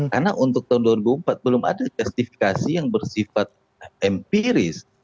karena untuk tahun dua ribu empat belum ada testifikasi yang bersifat empiris